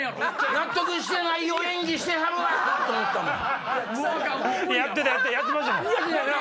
納得してないよ演技してはるわ！と思ったもん。